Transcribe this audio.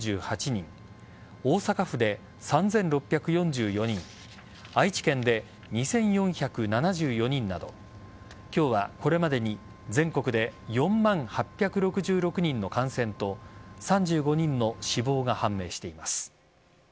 大阪府で３６４４人愛知県で２４７４人など今日はこれまでに全国で４万８６６人の感染と３５人の死亡が判明しています。